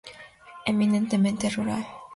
Eminentemente rural.